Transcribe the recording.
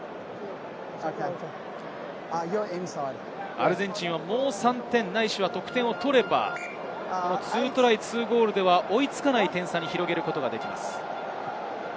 アルゼンチンはもう３点ないしは得点を取れば２トライと２ゴールでは追いつかない点差に広げることができます。